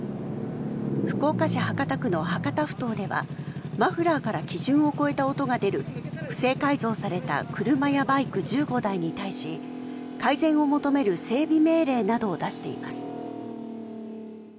福岡市博多区の博多ふ頭ではマフラーから基準を超えた音が出る不正改造された車やバイク１５台に対し改善を求める整備命令などを出しています。